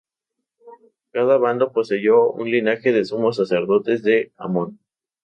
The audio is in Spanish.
Cada bando poseyó un linaje de sumos sacerdotes de Amón.